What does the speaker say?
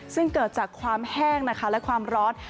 ซึ่งเกิดจากความแห้งนะคะและความร้อน